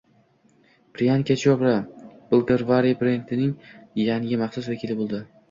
Priyanka Chopra Bvlgari brendining yangi maxsus vakili bo‘ldi